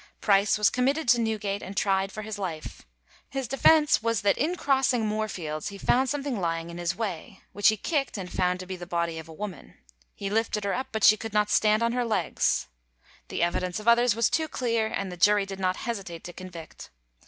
Price was committed to Newgate, and tried for his life. His defence was, that in crossing Moorfields he found something lying in his way, which he kicked and found to be the body of a woman. He lifted her up, but she could not stand on her legs. The evidence of others was too clear, and the jury did not hesitate to convict.